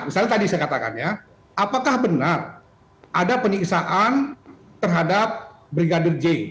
misalnya tadi saya katakan ya apakah benar ada penyiksaan terhadap brigadir j